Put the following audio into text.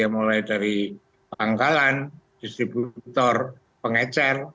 mulai dari pangkalan distributor pengecer